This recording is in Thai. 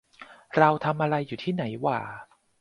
เราทำอะไรอยู่ที่ไหนหว่า